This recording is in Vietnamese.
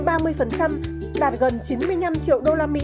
đạt gần chín mươi năm triệu usd